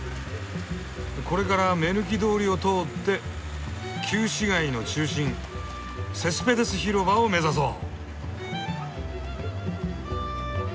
これから目抜き通りを通って旧市街の中心セスペデス広場を目指そう。